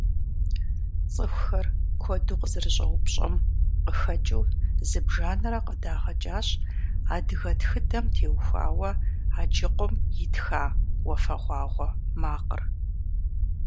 ЦӀыхухэр куэду къызэрыщӀэупщӀэм къыхэкӀыу зыбжанэрэ къыдагъэкӀащ адыгэ тхыдэм теухуауэ Аджыкъум итха «Уафэгъуагъуэ макъыр».